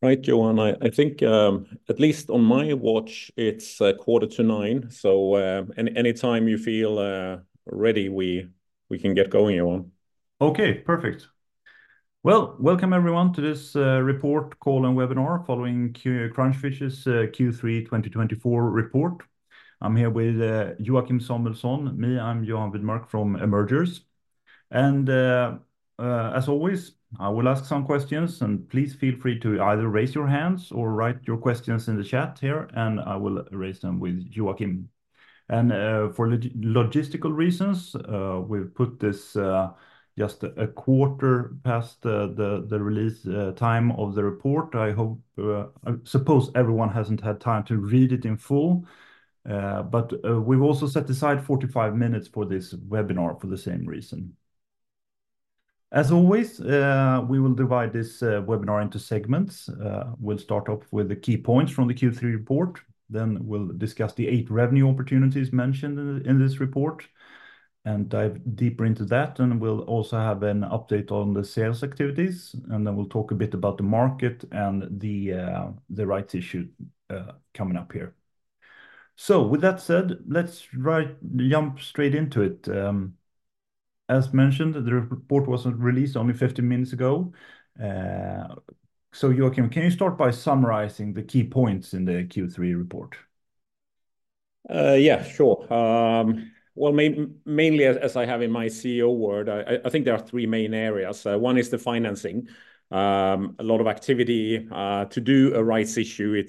Right, Johan, I think, at least on my watch, it's 8:45AM. So, anytime you feel ready, we can get going, Johan. Okay, perfect. Well, welcome everyone to this report call and webinar following Crunchfish's third quarter 2024 report. I'm here with Joachim Samuelsson. Me, I'm Johan Widmark from Emergers. And as always, I will ask some questions, and please feel free to either raise your hands or write your questions in the chat here, and I will raise them with Joachim. And for logistical reasons, we've put this just a quarter past the release time of the report. I hope I suppose everyone hasn't had time to read it in full, but we've also set aside 45 minutes for this webinar for the same reason. As always, we will divide this webinar into segments. We'll start off with the key points from the third quarter report, then we'll discuss the eight revenue opportunities mentioned in this report, and dive deeper into that, and we'll also have an update on the sales activities, and then we'll talk a bit about the market and the rights issue coming up here. With that said, let's just jump straight into it. As mentioned, the report was released only 15 minutes ago. Joachim, can you start by summarizing the key points in the third quarter report? Yeah, sure. Well, mainly as I have in my CEO word, I think there are three main areas. One is the financing. A lot of activity to do a rights issue. It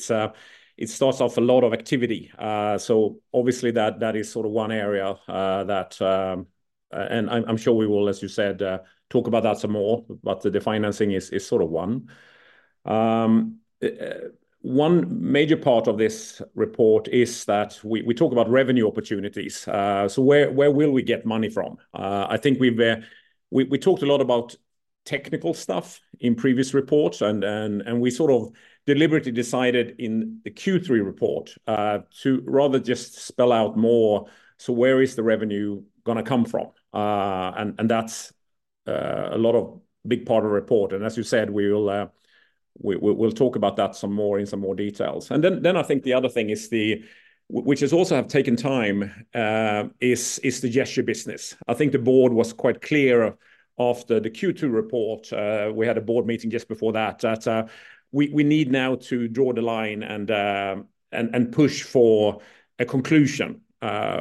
starts off a lot of activity. So obviously that is sort of one area, that, and I'm sure we will, as you said, talk about that some more, but the financing is sort of one. One major part of this report is that we talk about revenue opportunities. So where will we get money from? I think we've talked a lot about technical stuff in previous reports, and we sort of deliberately decided in the third quarter report to rather just spell out more, so where is the revenue going to come from? And that's a big part of the report. And as you said, we will. We'll talk about that some more in more details. I think the other thing, which has also have taken time, is the gesture business. I think the board was quite clear after the second quarter report. We had a board meeting just before that. We need now to draw the line and push for a conclusion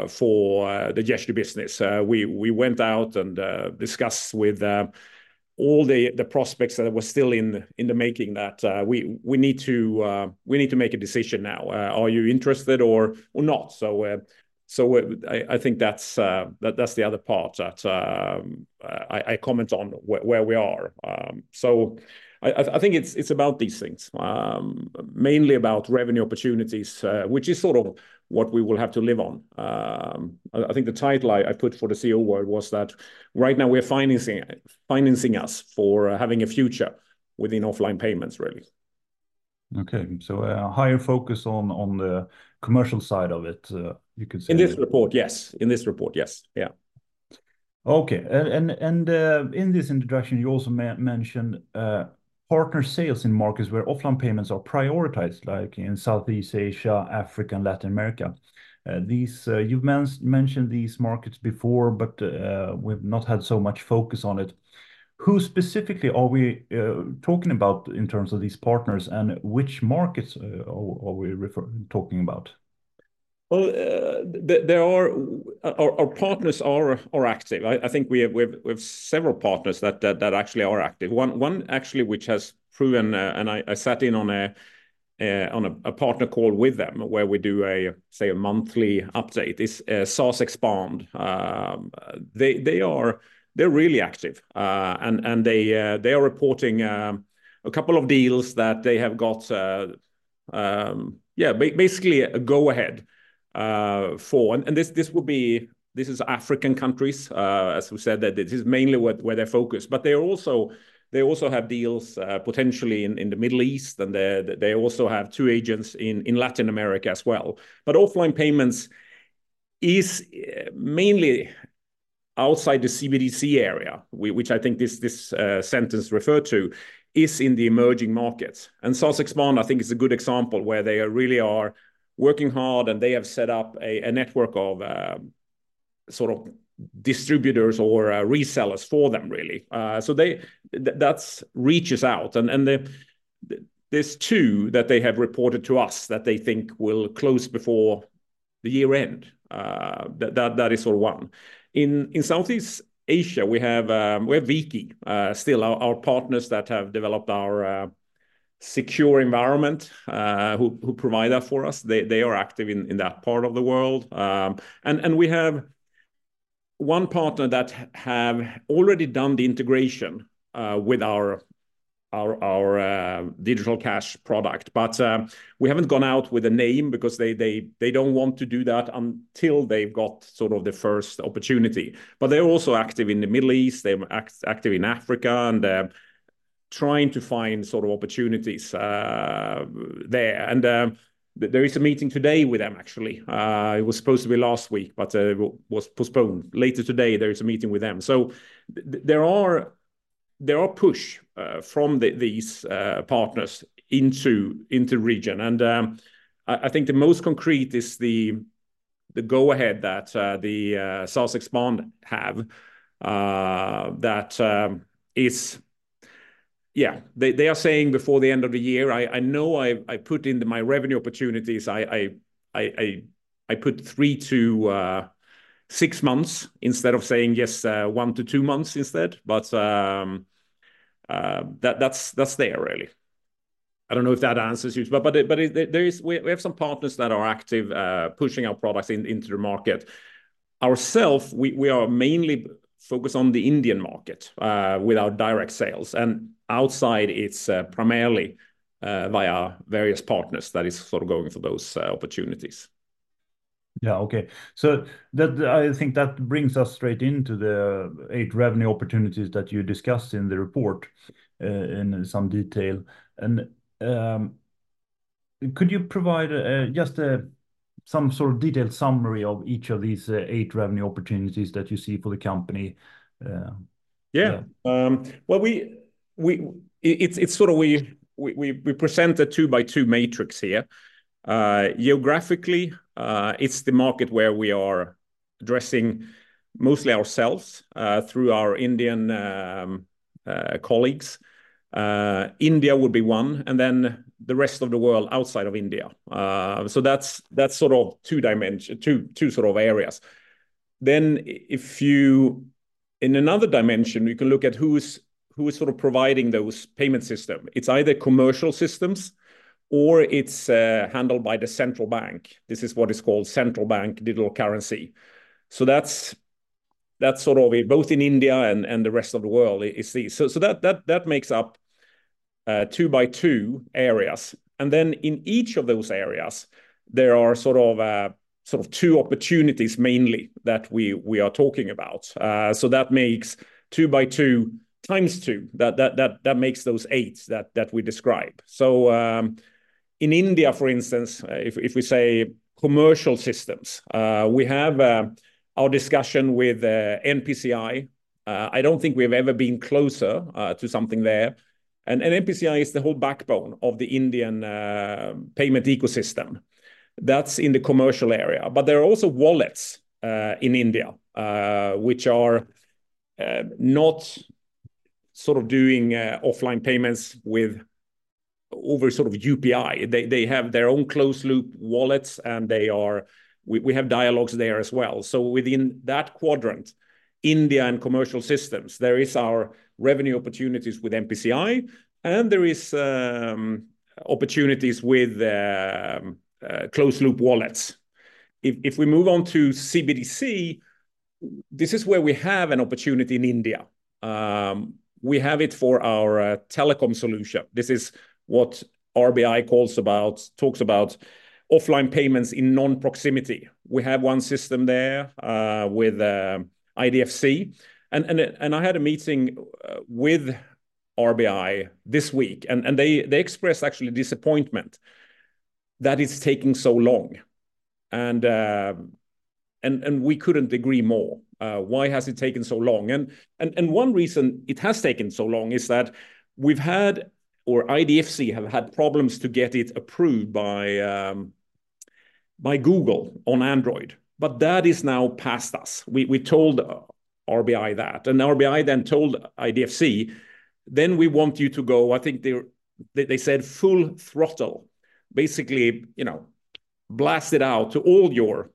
for the gesture business. We went out and discussed with all the prospects that were still in the making that we need to make a decision now. Are you interested or not? I think that's the other part that I comment on where we are. I think it's about these things, mainly about revenue opportunities, which is sort of what we will have to live on. I think the title I put for the key word was that right now we're financing us for having a future within offline payments, really. Okay, so a higher focus on the commercial side of it, you could say. In this report, yes. Yeah. Okay, and in this introduction, you also mentioned partner sales in markets where offline payments are prioritized, like in Southeast Asia, Africa, and Latin America. These you've mentioned these markets before, but we've not had so much focus on it. Who specifically are we talking about in terms of these partners, and which markets are we talking about? There are our partners are active. I think we have several partners that actually are active. One actually which has proven, and I sat in on a partner call with them where we do, say, a monthly update is, Xars. They are they're really active, and they are reporting a couple of deals that they have got, yeah, basically a go-ahead for, and this will be this is African countries, as we said, that this is mainly where they're focused, but they are also have deals potentially in the Middle East, and they also have two agents in Latin America as well. But offline payments is mainly outside the CBDC area, which I think this sentence referred to is in the emerging markets. Xars, I think, is a good example where they really are working hard, and they have set up a network of, sort of, distributors or resellers for them, really. So that reaches out, and there's two that they have reported to us that they think will close before the year end. That is sort of one. In Southeast Asia, we have V-Key, still our partners that have developed our secure environment, who provide that for us. They are active in that part of the world. And we have one partner that have already done the integration with our Digital Cash product, but we haven't gone out with a name because they don't want to do that until they've got sort of the first opportunity. But they're also active in the Middle East. They're active in Africa, and they're trying to find sort of opportunities there. And there is a meeting today with them, actually. It was supposed to be last week, but it was postponed. Later today, there is a meeting with them. So, there are push from these partners into region. And I think the most concrete is the go-ahead that Xars have, that is, yeah, they are saying before the end of the year. I know I put into my revenue opportunities, I put three to six months instead of saying yes, one to two months instead, but that's there, really. I don't know if that answers you, but there, we have some partners that are active, pushing our products into the market. Ourselves, we are mainly focused on the Indian market, with our direct sales, and outside, it's primarily via various partners that is sort of going for those opportunities. Yeah, okay. So that I think that brings us straight into the eight revenue opportunities that you discussed in the report, in some detail. And could you provide, just, some sort of detailed summary of each of these eight revenue opportunities that you see for the company? Yeah. Well, we present a two by two matrix here. Geographically, it's the market where we are addressing mostly ourselves, through our Indian colleagues. India would be one, and then the rest of the world outside of India. So that's sort of two dimensions, two sort of areas. Then, in another dimension, you can look at who's sort of providing those payment systems. It's either commercial systems or it's handled by the central bank. This is what is called central bank digital currency. So that's sort of both in India and the rest of the world. So that makes up two by two areas. And then in each of those areas, there are sort of two opportunities mainly that we are talking about. That makes two by two times two. That makes those eights that we describe. So, in India, for instance, if we say commercial systems, we have our discussion with NPCI. I don't think we've ever been closer to something there. And NPCI is the whole backbone of the Indian payment ecosystem. That's in the commercial area. But there are also wallets in India, which are not sort of doing offline payments with over sort of UPI. They have their own closed loop wallets, and we have dialogues there as well. So, within that quadrant, India and commercial systems, there is our revenue opportunities with NPCI, and there is opportunities with closed loop wallets. If we move on to CBDC, this is where we have an opportunity in India. We have it for our telecom solution. This is what RBI calls about, talks about offline payments in non-proximity. We have one system there with IDFC. And I had a meeting with RBI this week, and they expressed actually disappointment that it's taking so long. And we couldn't agree more. Why has it taken so long? And one reason it has taken so long is that we've had, or IDFC have had problems to get it approved by Google on Android, but that is now past us. We told RBI that, and RBI then told IDFC, then we want you to go. I think they said full throttle, basically, you know, blast it out to all your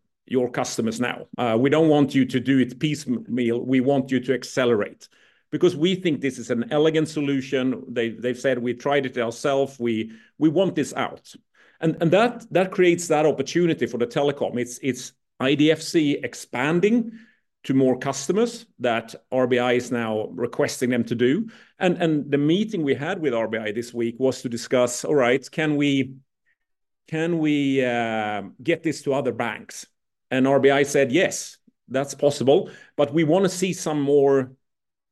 customers now. We don't want you to do it piecemeal. We want you to accelerate because we think this is an elegant solution. They've said we tried it ourselves. We want this out, and that creates that opportunity for the telecom. It's IDFC expanding to more customers that RBI is now requesting them to do. And the meeting we had with RBI this week was to discuss, all right, can we get this to other banks, and RBI said, yes, that's possible, but we want to see some more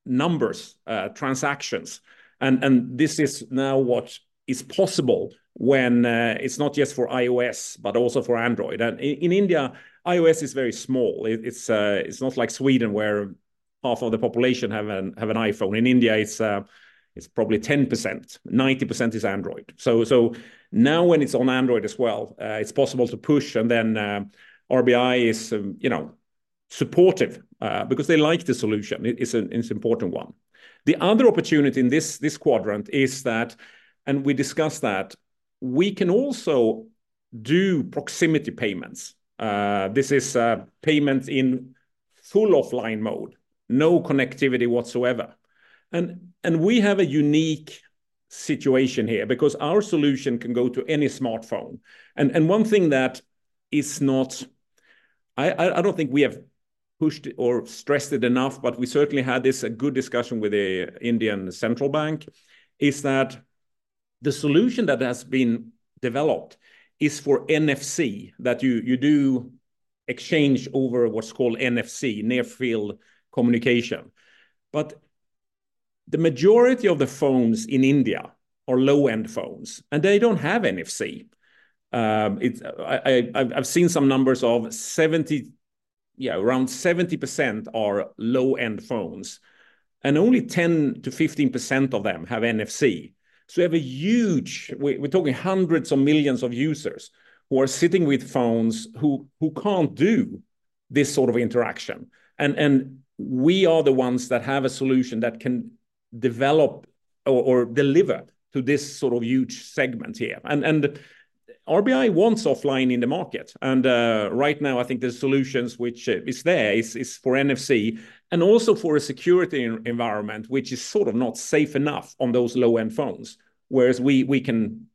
numbers, transactions, and this is now what is possible when it's not just for iOS, but also for Android, and in India, iOS is very small. It's not like Sweden where half of the population have an iPhone. In India, it's probably 10%. 90% is Android, so now when it's on Android as well, it's possible to push, and then RBI is, you know, supportive, because they like the solution. It's an important one. The other opportunity in this quadrant is that, and we discussed that, we can also do proximity payments. This is a payment in full offline mode, no connectivity whatsoever. And we have a unique situation here because our solution can go to any smartphone. And one thing that is not, I don't think we have pushed it or stressed it enough, but we certainly had a good discussion with the Indian central bank, is that the solution that has been developed is for NFC, that you do exchange over what's called NFC, Near Field Communication. But the majority of the phones in India are low-end phones, and they don't have NFC. I've seen some numbers of 70%, yeah, around 70% are low-end phones, and only 10% to 15% of them have NFC. So, we have a huge, we're talking hundreds of millions of users who are sitting with phones who can't do this sort of interaction. And we are the ones that have a solution that can develop or deliver to this sort of huge segment here. And RBI wants offline in the market. And right now, I think the solutions which is there is for NFC and also for a security environment, which is sort of not safe enough on those low-end phones, whereas we can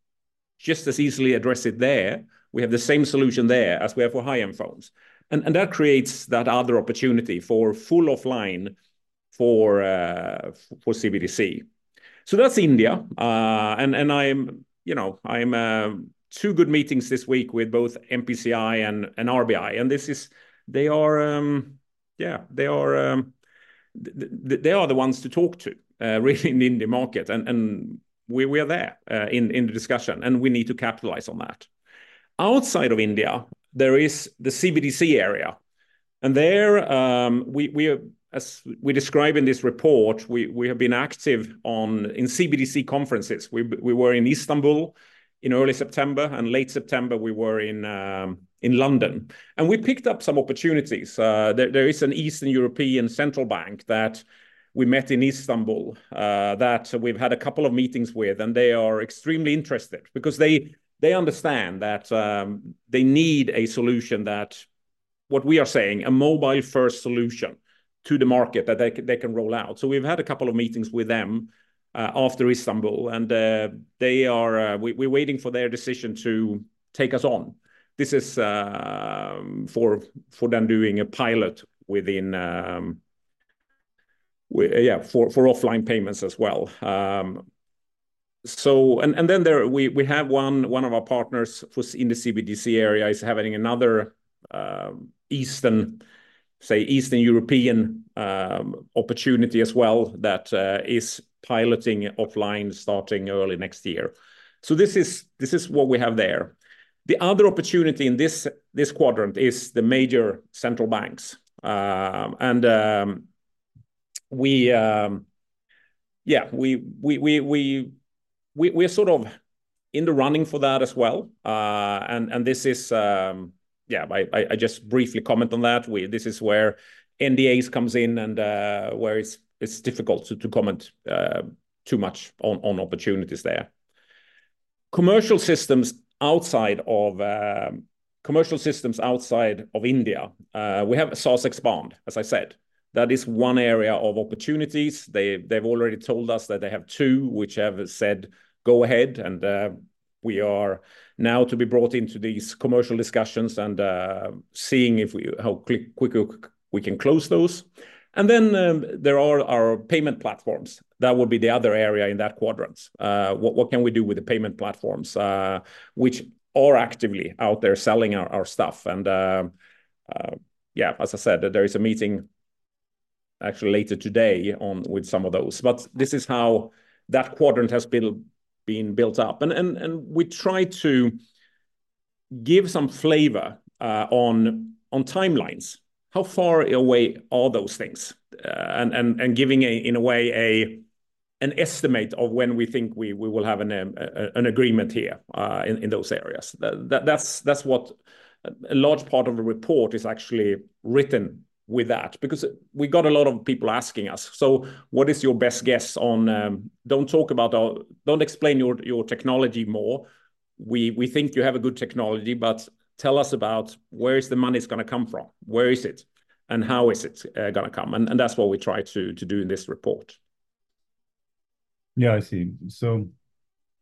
just as easily address it there. We have the same solution there as we have for high-end phones. And that creates that other opportunity for full offline for CBDC. So that's India. And, you know, I had two good meetings this week with both NPCI and RBI. Yeah, they are the ones to talk to, really, in the Indian market. We are there in the discussion, and we need to capitalize on that. Outside of India, there is the CBDC area. There, as we describe in this report, we have been active in CBDC conferences. We were in Istanbul in early September, and in late September, we were in London. We picked up some opportunities. There is an Eastern European central bank that we met in Istanbul that we've had a couple of meetings with, and they are extremely interested because they understand that they need a solution, what we are saying, a mobile-first solution to the market that they can roll out. So, we've had a couple of meetings with them after Istanbul, and they're waiting for their decision to take us on. This is for them doing a pilot within for offline payments as well. And then there we have one of our partners who's in the CBDC area having another Eastern European opportunity as well that is piloting offline starting early next year. This is what we have there. The other opportunity in this quadrant is the major central banks. We we're sort of in the running for that as well. This is... I just briefly comment on that. This is where NDAs come in and where it's difficult to comment too much on opportunities there. Commercial systems outside of India. We have Xars, as I said. That is one area of opportunities. They've already told us that they have two, which have said, go ahead, and we are now to be brought into these commercial discussions and seeing how quickly we can close those, and then there are our payment platforms. That would be the other area in that quadrant. What can we do with the payment platforms, which are actively out there selling our stuff? And yeah, as I said, there is a meeting actually later today with some of those. But this is how that quadrant has been built up. And we try to give some flavor on timelines. How far away are those things? And giving in a way an estimate of when we think we will have an agreement here, in those areas. That's what a large part of the report is actually written with that because we got a lot of people asking us, so what is your best guess on, don't talk about our, don't explain your technology more. We think you have a good technology, but tell us about where is the money is going to come from, where is it, and how is it going to come? That's what we try to do in this report. Yeah, I see. So,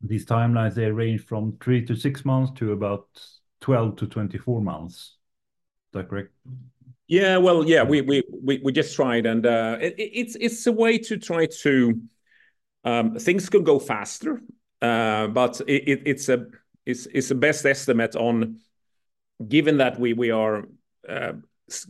these timelines, they range from three to six months to about 12 to 24 months. Is that correct? Yeah, well, yeah, we just tried, and it's a way to try to, things can go faster. But it's the best estimate given that we are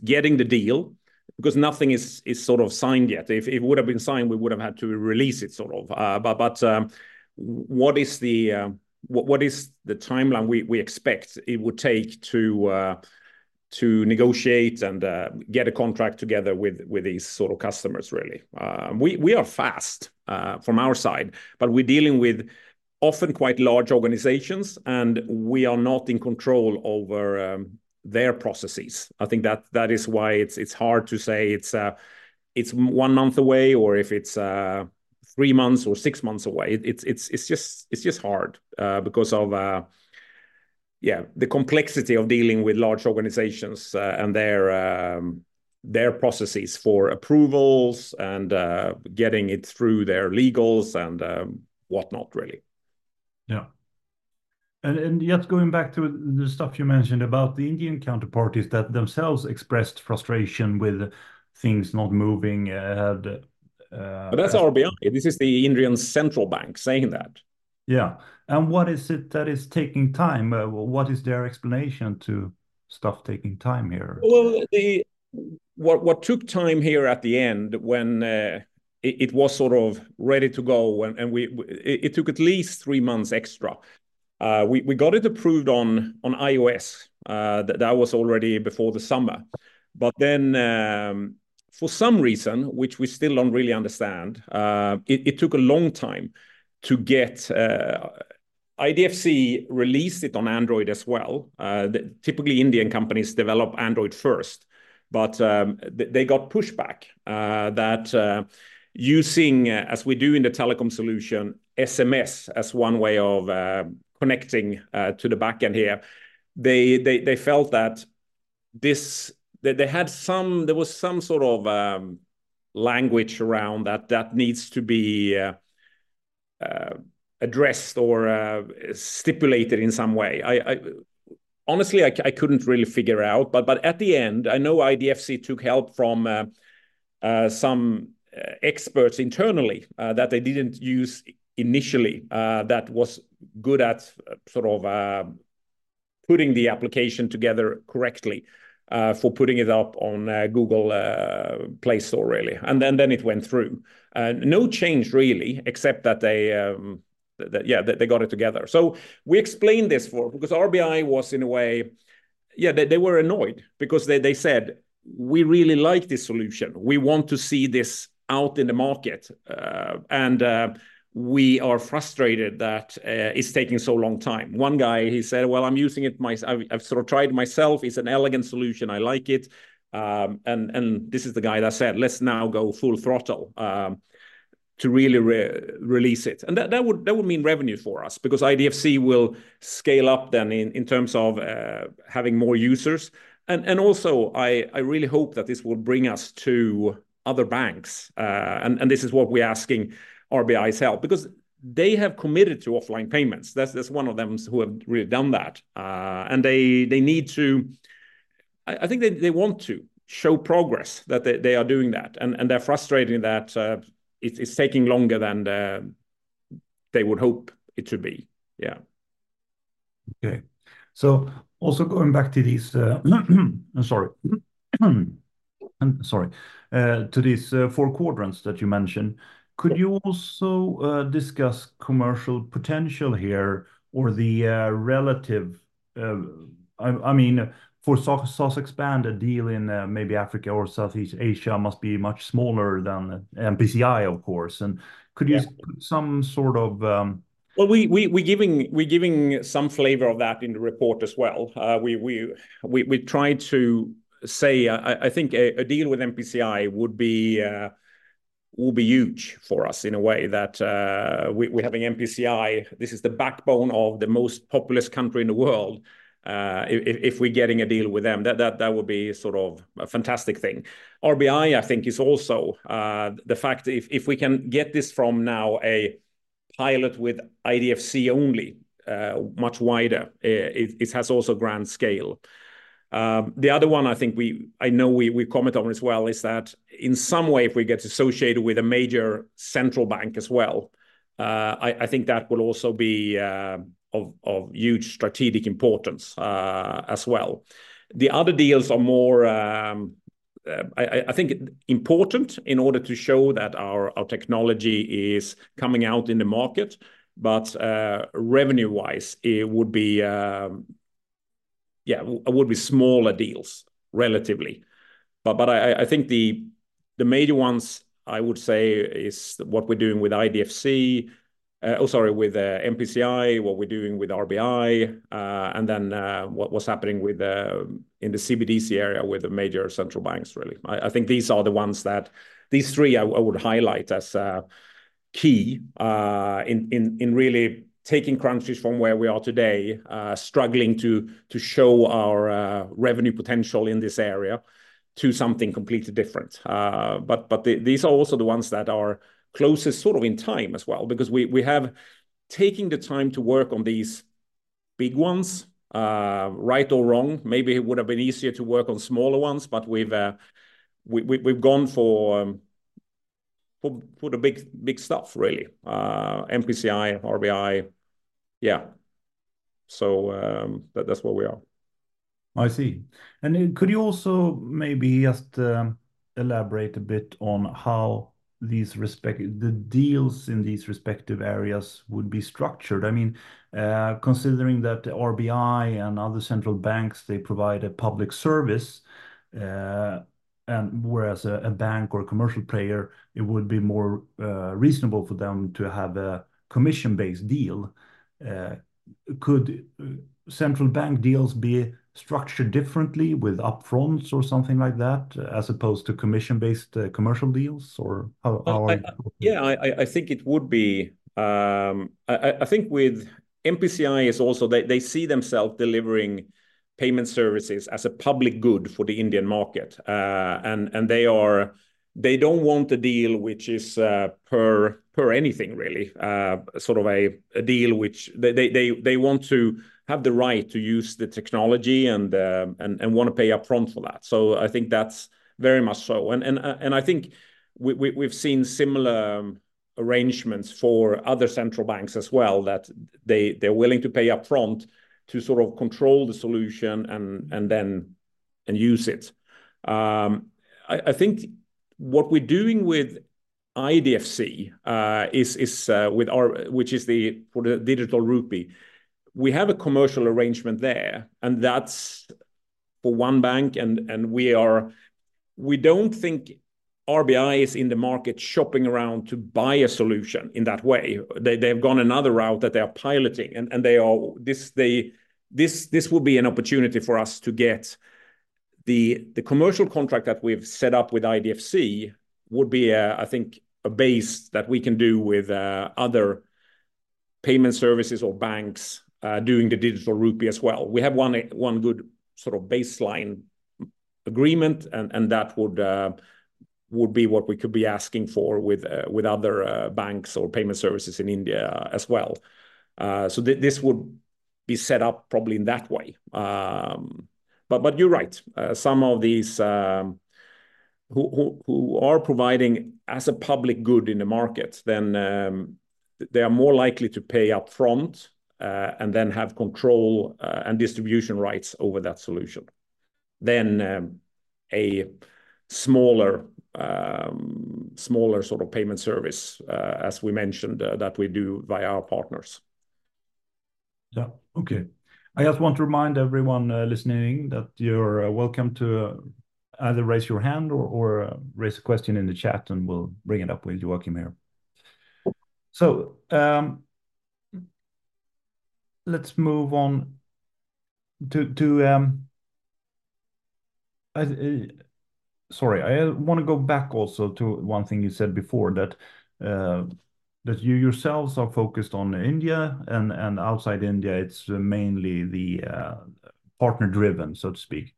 getting the deal because nothing is sort of signed yet. If it would have been signed, we would have had to release it sort of. But what is the timeline we expect it would take to negotiate and get a contract together with these sort of customers, really. We are fast from our side, but we're dealing with often quite large organizations, and we are not in control over their processes. I think that is why it's hard to say if it's one month away or three months or six months away. It's just hard, because of, yeah, the complexity of dealing with large organizations, and their processes for approvals and getting it through their legals and whatnot, really. Yeah. And yet going back to the stuff you mentioned about the Indian counterparties that themselves expressed frustration with things not moving... But that's RBI. This is the Indian central bank saying that. Yeah, and what is it that is taking time? What is their explanation to stuff taking time here? What took time here at the end was when it was sort of ready to go, and it took at least three months extra. We got it approved on iOS. That was already before the summer. But then, for some reason, which we still don't really understand, it took a long time to get IDFC to release it on Android as well. Typically, Indian companies develop Android first, but they got pushback that, using, as we do in the telecom solution, SMS as one way of connecting to the backend here. They felt that there was some sort of language around that that needs to be addressed or stipulated in some way. I honestly, I couldn't really figure out, but at the end, I know IDFC took help from some experts internally that they didn't use initially, that was good at sort of putting the application together correctly for putting it up on Google Play Store, really. And then it went through. No change, really, except that they, yeah, that they got it together. So we explained this because RBI was in a way, yeah, they were annoyed because they said, we really like this solution. We want to see this out in the market. And we are frustrated that it's taking so long time. One guy, he said, well, I'm using it myself. I've sort of tried it myself. It's an elegant solution. I like it. And this is the guy that said, let's now go full throttle to really release it. That would mean revenue for us because IDFC will scale up then in terms of having more users. And also, I really hope that this will bring us to other banks. And this is what we're asking RBI's help because they have committed to offline payments. That's one of them who have really done that. And they need to, I think they want to show progress that they are doing that. And they're frustrated that it's taking longer than they would hope it to be. Yeah. Okay. So also going back to these four quadrants that you mentioned, could you also discuss commercial potential here or the relative, I mean, for Xars, a deal in maybe Africa or Southeast Asia must be much smaller than NPCI, of course. And could you put some sort of, Well, we're giving some flavor of that in the report as well. We tried to say, I think a deal with NPCI would be, will be huge for us in a way that, we're having NPCI. This is the backbone of the most populous country in the world. If we're getting a deal with them, that would be sort of a fantastic thing. RBI, I think, is also the fact that if we can get this from now a pilot with IDFC only, much wider, it has also grand scale. The other one I think, I know we comment on as well is that in some way if we get associated with a major central bank as well, I think that will also be of huge strategic importance, as well. The other deals are more, I think, important in order to show that our technology is coming out in the market, but revenue-wise, it would be, yeah, it would be smaller deals relatively. But I think the major ones I would say is what we're doing with IDFC, oh sorry, with NPCI, what we're doing with RBI, and then what's happening with in the CBDC area with the major central banks, really. I think these are the ones that these three I would highlight as key in really taking Crunchfish from where we are today, struggling to show our revenue potential in this area to something completely different. But these are also the ones that are closest sort of in time as well because we have taken the time to work on these big ones, right or wrong. Maybe it would have been easier to work on smaller ones, but we've gone for the big stuff, really. NPCI, RBI, yeah. So, that's where we are. I see. And could you also maybe just elaborate a bit on how these respective deals in these respective areas would be structured? I mean, considering that the RBI and other central banks, they provide a public service, and whereas a bank or commercial player, it would be more reasonable for them to have a commission-based deal. Could central bank deals be structured differently with upfronts or something like that as opposed to commission-based commercial deals or how. Yeah, I think it would be. I think with NPCI is also they see themselves delivering payment services as a public good for the Indian market. And they are they don't want a deal which is, per anything, really, sort of a deal which they want to have the right to use the technology and want to pay upfront for that. So I think that's very much so. And I think we've seen similar arrangements for other central banks as well that they're willing to pay upfront to sort of control the solution and then use it. I think what we're doing with IDFC is with our which is the for the Digital Rupee. We have a commercial arrangement there, and that's for one bank, and we don't think RBI is in the market shopping around to buy a solution in that way. They have gone another route that they are piloting, and this will be an opportunity for us to get the commercial contract that we've set up with IDFC would be, I think, a base that we can do with other payment services or banks, doing the Digital Rupee as well. We have one good sort of baseline agreement, and that would be what we could be asking for with other banks or payment services in India as well, so this would be set up probably in that way, but you're right. some of these, who are providing as a public good in the market, then, they are more likely to pay upfront, and then have control, and distribution rights over that solution than, a smaller sort of payment service, as we mentioned, that we do via our partners. Yeah. Okay. I just want to remind everyone listening that you're welcome to either raise your hand or raise a question in the chat, and we'll bring it up with Joachim here. So, let's move on to. I'm sorry, I want to go back also to one thing you said before that you yourselves are focused on India, and outside India, it's mainly the partner-driven, so to speak.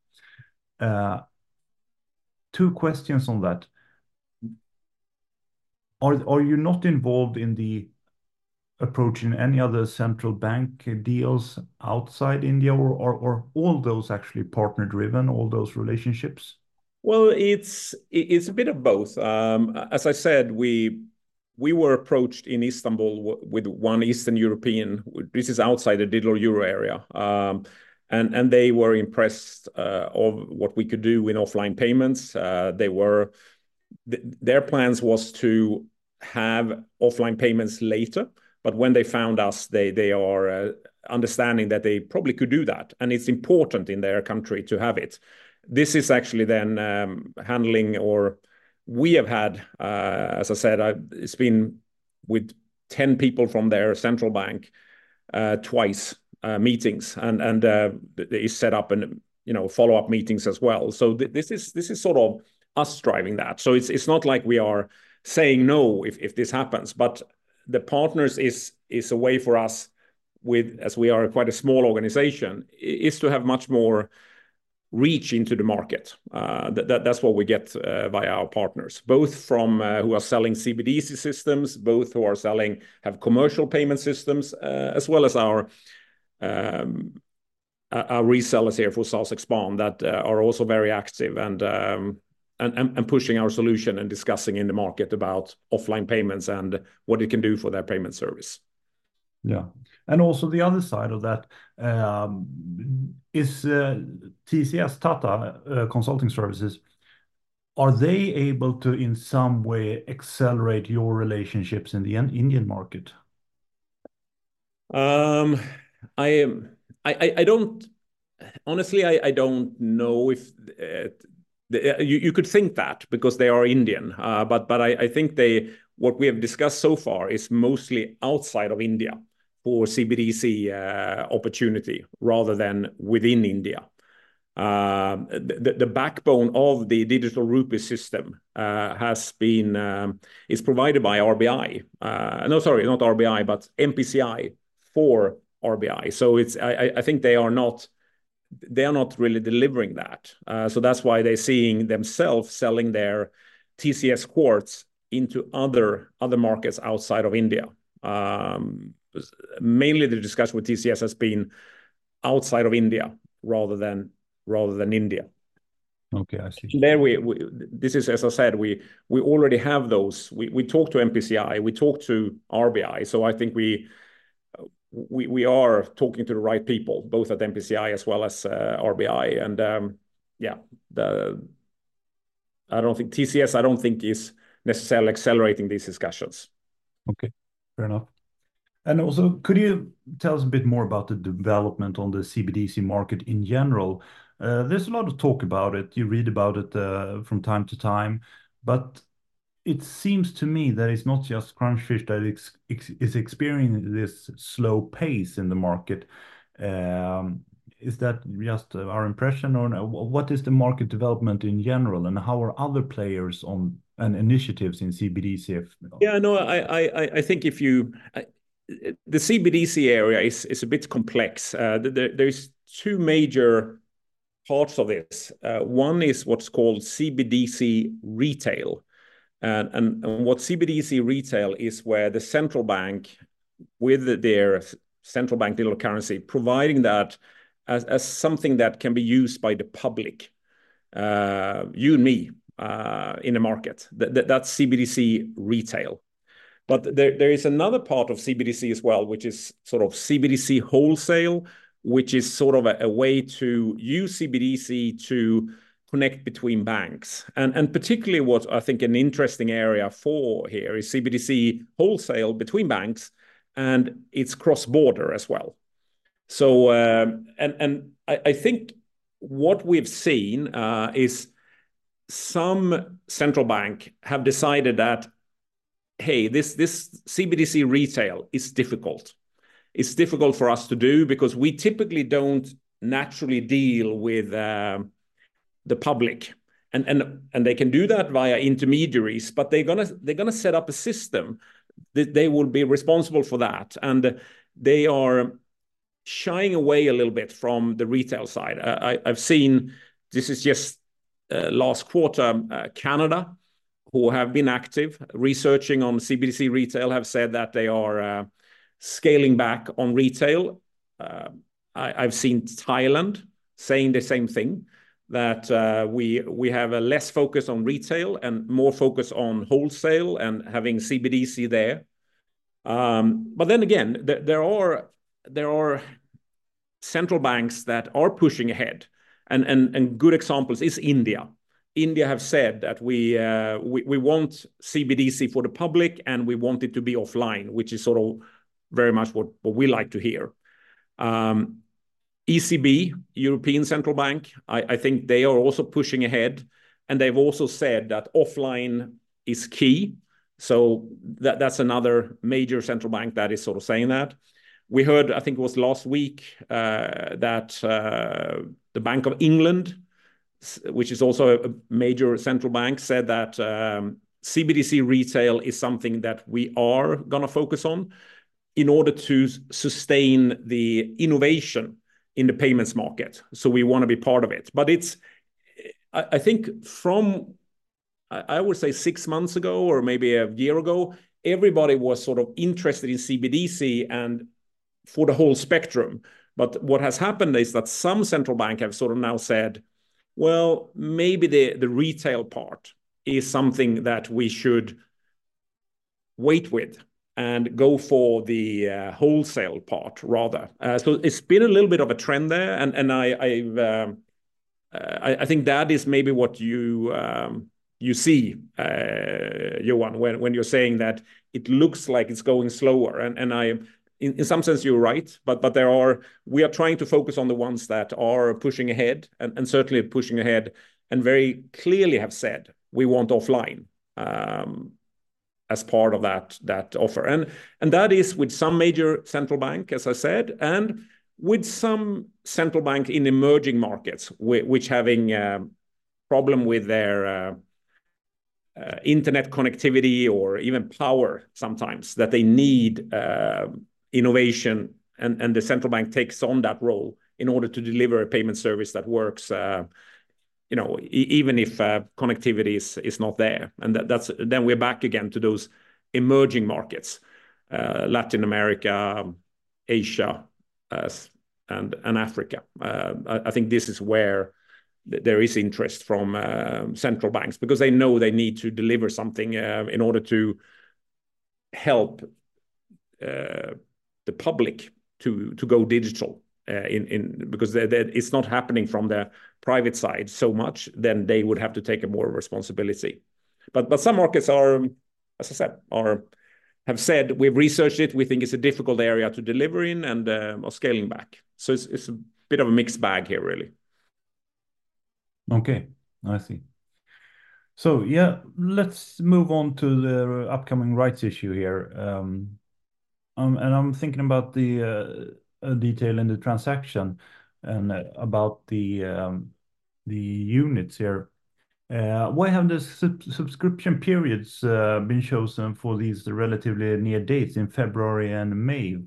Two questions on that. Are you not involved in approaching any other central bank deals outside India or all those actually partner-driven, all those relationships? It's a bit of both. As I said, we were approached in Istanbul by one Eastern European. This is outside the Digital Euro area. And they were impressed with what we could do in offline payments. Their plans were to have offline payments later, but when they found us, they are understanding that they probably could do that, and it's important in their country to have it. This is actually then handling, or we have had, as I said, it's been with 10 people from their central bank, two meetings, and it's set up, you know, follow-up meetings as well. This is sort of us driving that. So it's not like we are saying no if this happens, but the partners is a way for us with, as we are quite a small organization, is to have much more reach into the market. That's what we get, via our partners, both from who are selling CBDC systems, both who are selling commercial payment systems, as well as our resellers here for Xars that are also very active and pushing our solution and discussing in the market about offline payments and what it can do for their payment service. Yeah. And also the other side of that is TCS Tata Consultancy Services. Are they able to in some way accelerate your relationships in the Indian market? I don't honestly, I don't know if you could think that because they are Indian, but I think what we have discussed so far is mostly outside of India for CBDC opportunity rather than within India. The backbone of the digital rupee system is provided by RBI. No, sorry, not RBI, but NPCI for RBI. So I think they are not really delivering that. So that's why they're seeing themselves selling their TCS Quartz into other markets outside of India. Mainly the discussion with TCS has been outside of India rather than India. Okay. I see. So this is as I said, we already have those. We talked to NPCI. We talked to RBI. So I think we are talking to the right people, both at NPCI as well as RBI. And yeah, I don't think TCS is necessarily accelerating these discussions. Okay. Fair enough. And also, could you tell us a bit more about the development on the CBDC market in general? There's a lot of talk about it. You read about it, from time to time, but it seems to me that it's not just Crunchfish that is experiencing this slow pace in the market. Is that just our impression or what is the market development in general and how are other players on and initiatives in CBDC? Yeah, no, I think the CBDC area is a bit complex. There's two major parts of this. One is what's called CBDC retail. What CBDC retail is where the central bank with their central bank digital currency providing that as something that can be used by the public, you and me, in the market. That's CBDC retail. There is another part of CBDC as well, which is sort of CBDC wholesale, which is sort of a way to use CBDC to connect between banks. Particularly what I think an interesting area for here is CBDC wholesale between banks and its cross-border as well. I think what we've seen is some central bank have decided that, hey, this CBDC retail is difficult. It's difficult for us to do because we typically don't naturally deal with the public. And they can do that via intermediaries, but they're going to set up a system that they will be responsible for that. And they are shying away a little bit from the retail side. I've seen this just last quarter. Canada who have been active researching on CBDC retail have said that they are scaling back on retail. I've seen Thailand saying the same thing that we have a less focus on retail and more focus on wholesale and having CBDC there. But then again, there are central banks that are pushing ahead. And good examples is India. India have said that we want CBDC for the public and we want it to be offline, which is sort of very much what we like to hear. ECB, European Central Bank, I think they are also pushing ahead, and they've also said that offline is key. So that's another major central bank that is sort of saying that. We heard, I think it was last week, that the Bank of England, which is also a major central bank, said that CBDC retail is something that we are going to focus on in order to sustain the innovation in the payments market. So, we want to be part of it. But it's I think from I would say six months ago or maybe a year ago, everybody was sort of interested in CBDC and for the whole spectrum. But what has happened is that some central banks have sort of now said, well, maybe the retail part is something that we should wait with and go for the wholesale part rather. So it's been a little bit of a trend there and I think that is maybe what you see, Johan, when you're saying that it looks like it's going slower. In some sense you're right, but there we are trying to focus on the ones that are pushing ahead and certainly pushing ahead and very clearly have said we want offline, as part of that offer. That is with some major central bank, as I said, and with some central bank in emerging markets, which having problem with their internet connectivity or even power sometimes that they need innovation and the central bank takes on that role in order to deliver a payment service that works, you know, even if connectivity is not there. That then we're back again to those emerging markets, Latin America, Asia, and Africa. I think this is where there is interest from central banks because they know they need to deliver something in order to help the public to go digital in because that it's not happening from the private side so much then they would have to take a more responsibility. But some markets, as I said, have said we've researched it, we think it's a difficult area to deliver in and are scaling back. So, it's a bit of a mixed bag here really. Okay. I see. So yeah, let's move on to the upcoming rights issue here. I'm thinking about the detail in the transaction and about the units here. Why have the subscription periods been chosen for these relatively near dates in February and May?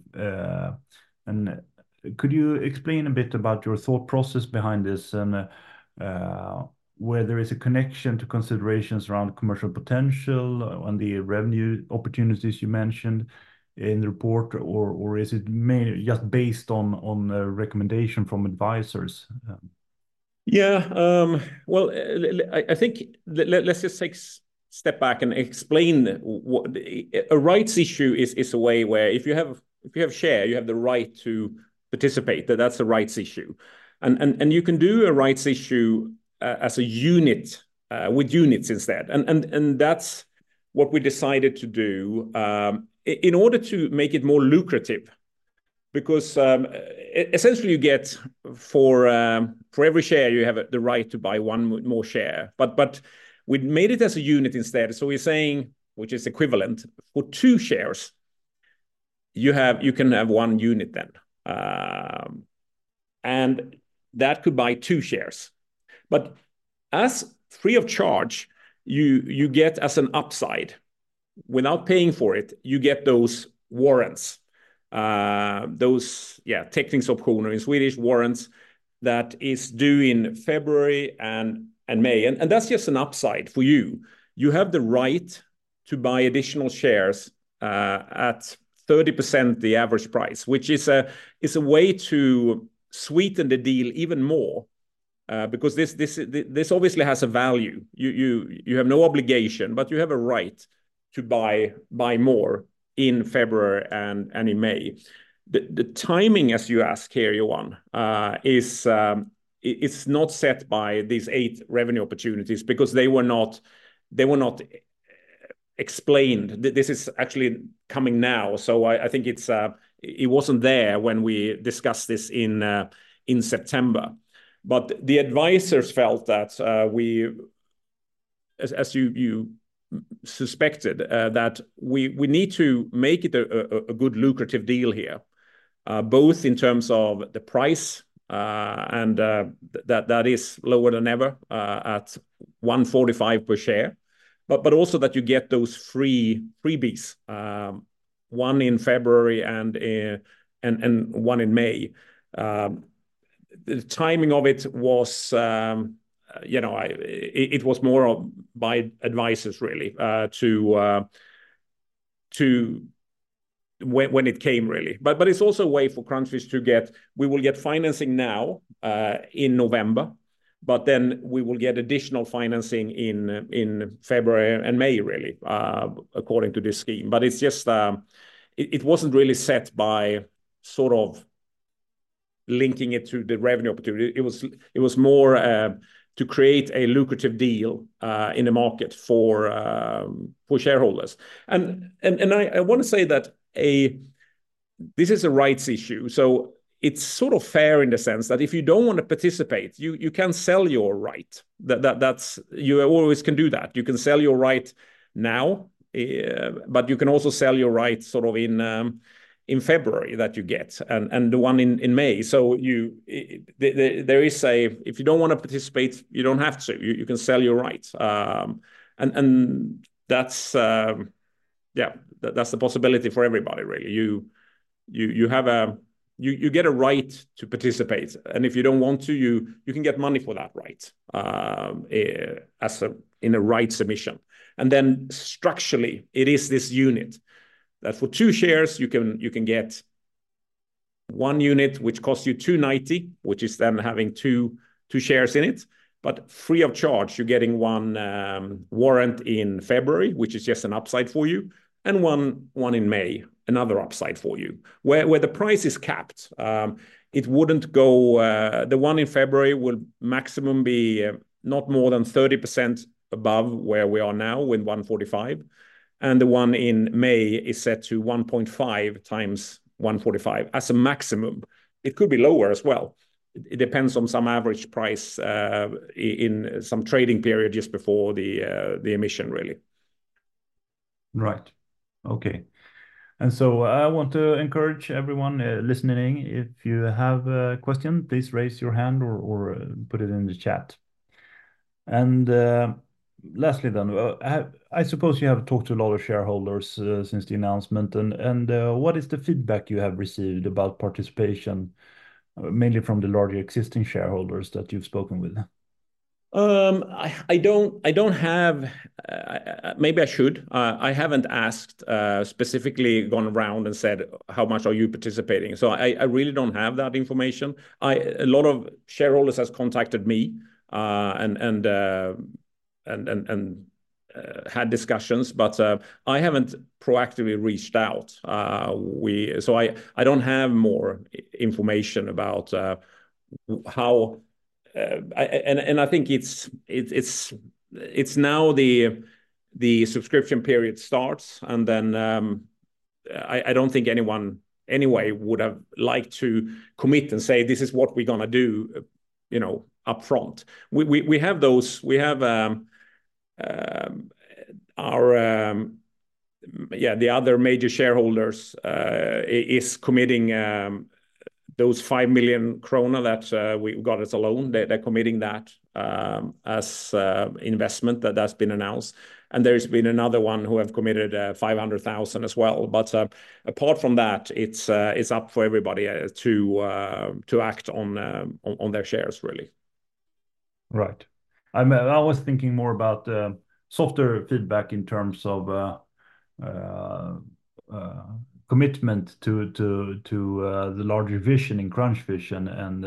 Could you explain a bit about your thought process behind this and whether there is a connection to considerations around commercial potential and the revenue opportunities you mentioned in the report or is it mainly just based on the recommendation from advisors? Yeah. Well, I think let's just take a step back and explain what a rights issue is, a way where if you have a share, you have the right to participate, that's a rights issue, and you can do a rights issue as a unit, with units instead, and that's what we decided to do in order to make it more lucrative because essentially you get for every share you have the right to buy one more share, but we made it as a unit instead, so we're saying which is equivalent for two shares, you can have one unit then, and that could buy two shares. But as free of charge, you get as an upside without paying for it, you get those warrants, those, yeah, TOs, subscription options or in Swedish warrants that is due in February and May. And that's just an upside for you. You have the right to buy additional shares at 30% the average price, which is a way to sweeten the deal even more, because this obviously has a value. You have no obligation, but you have a right to buy more in February and in May. The timing, as you ask here, Johan, is, it's not set by these eight revenue opportunities because they were not explained. This is actually coming now. So I think it's, it wasn't there when we discussed this in September. But the advisors felt that, as you suspected, we need to make it a good lucrative deal here, both in terms of the price, and that is lower than ever, at 145 per share. But also, that you get those freebies, one in February and one in May. The timing of it was, you know, it was more by advisors really, to when it came really. But it's also a way for Crunchfish to get. We will get financing now, in November, but then we will get additional financing in February and May really, according to this scheme. But it's just. It wasn't really set by sort of linking it to the revenue opportunity. It was more to create a lucrative deal in the market for shareholders. I want to say that this is a rights issue. So it's sort of fair in the sense that if you don't want to participate, you can sell your right. That, that's. You always can do that. You can sell your right now, but you can also sell your right sort of in February that you get and the one in May. So there is. If you don't want to participate, you don't have to. You can sell your right. And that's, yeah, that's the possibility for everybody really. You get a right to participate. And if you don't want to, you can get money for that right, as in a rights issue. And then structurally, it is this unit that for two shares you can get one unit which costs you 290, which is then having two shares in it. But free of charge, you're getting one warrant in February, which is just an upside for you. And one in May, another upside for you. Where the price is capped, the one in February will maximum be not more than 30% above where we are now with 145. And the one in May is set to 1.5 times 145 as a maximum. It could be lower as well. It depends on some average price, in some trading period just before the emission really. Right. Okay. And so I want to encourage everyone listening. If you have a question, please raise your hand or put it in the chat. And, lastly then, I suppose you have talked to a lot of shareholders since the announcement. And, what is the feedback you have received about participation, mainly from the larger existing shareholders that you've spoken with? I don't have. Maybe I should. I haven't asked, specifically gone around and said, how much are you participating? So I really don't have that information. A lot of shareholders has contacted me, and had discussions, but I haven't proactively reached out. So I don't have more information about how, and I think it's now the subscription period starts. And then, I don't think anyone anyway would have liked to commit and say, this is what we're going to do, you know, upfront. We have our, yeah, the other major shareholders is committing those 5 million krona that we got as a loan. They're committing that as investment that has been announced. And there's been another one who have committed 500,000 as well. But, apart from that, it's up for everybody to act on their shares really. Right. I was thinking more about software feedback in terms of commitment to the larger vision in Crunchfish and,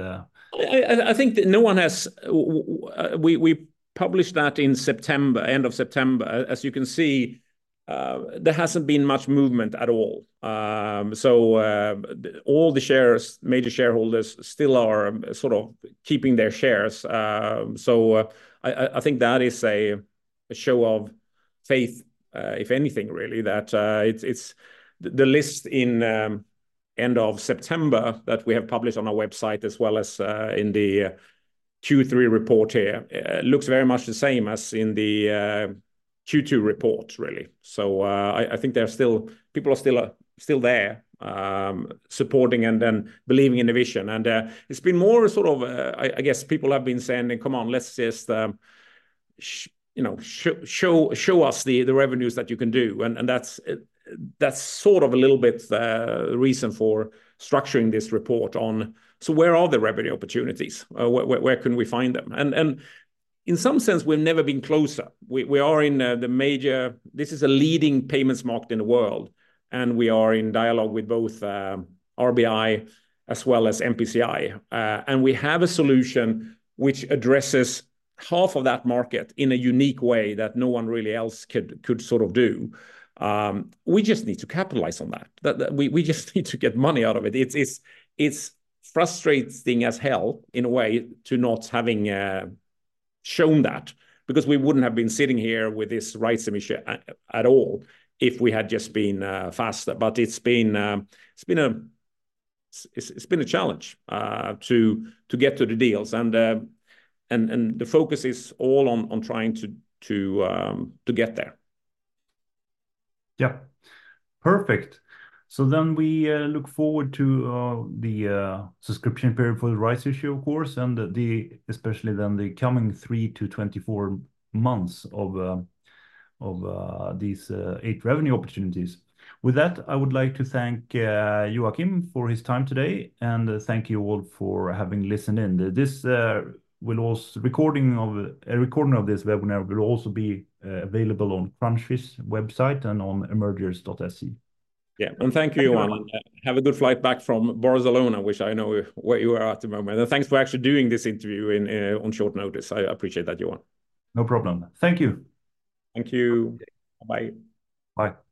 I think that no one has. We published that in September, end of September. As you can see, there hasn't been much movement at all, so all the shares, major shareholders still are sort of keeping their shares, so I think that is a show of faith, if anything really, that it's the list in end of September that we have published on our website as well as in the third quarter report here looks very much the same as in the second quarter report really. So, I think there are still people are still there, supporting and then believing in the vision, and it's been more sort of, I guess people have been saying, come on, let's just, you know, show us the revenues that you can do. And that's sort of a little bit reason for structuring this report on so where are the revenue opportunities? Where can we find them? And in some sense, we've never been closer. We are in the major. This is a leading payments market in the world. And we are in dialogue with both RBI as well as NPCI. And we have a solution which addresses half of that market in a unique way that no one really else could sort of do. We just need to capitalize on that. That we just need to get money out of it. It's frustrating as hell in a way to not having shown that because we wouldn't have been sitting here with this rights issue at all if we had just been faster. But it's been a challenge to get to the deals. And the focus is all on trying to get there. Yeah. Perfect. So, then we look forward to the subscription period for the rights issue, of course, and especially then the coming three to 24 months of these eight revenue opportunities. With that, I would like to thank Joachim for his time today and thank you all for having listened in. This recording of this webinar will also be available on Crunchfish website and on emergers.se. Yeah. And thank you, Johan. And have a good flight back from Barcelona, which I know where you are at the moment. And thanks for actually doing this interview on short notice. I appreciate that, Johan. No problem. Thank you. Thank you. Bye-bye. Bye.